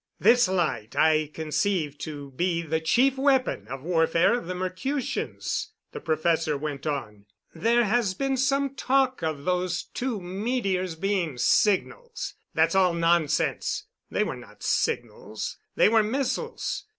"This light I conceive to be the chief weapon of warfare of the Mercutians," the professor went on. "There has been some talk of those two meteors being signals. That's all nonsense. They were not signals they were missiles.